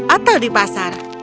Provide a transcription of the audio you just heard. atau di pasar